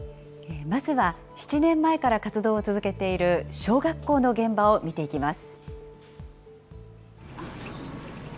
まずは７年前から活動を続けている小学校の現場を見ていきます。